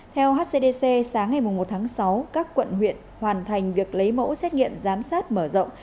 theo hcdc sáng ngày một tháng sáu các quận huyện hoàn thành việc lấy mẫu xét nghiệm giám sát mở rộng